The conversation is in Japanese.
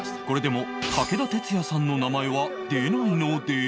これでも武田鉄矢さんの名前は出ないので